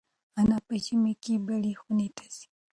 انا په ژمي کې بلې خونې ته ځي.